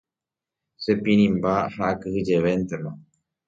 Chepirĩmba ha akyhyjevéntema.